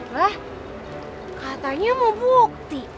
wah katanya mau bukti